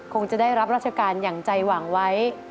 คงจะได้รับราชการอย่างใจหวังไว้